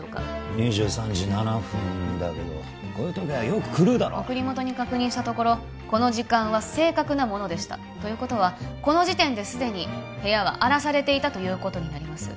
２３時７分だけどこういう時計はよく狂うだろ送り元に確認したところこの時間は正確なものでしたということはこの時点で既に部屋は荒らされていたということになります